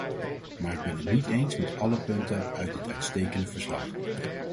Maar ik ben het niet eens met alle punten uit dit uitstekende verslag.